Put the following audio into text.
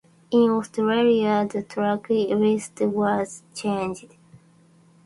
In Australia, the track list was changed.